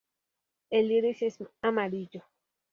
El iris es amarillo.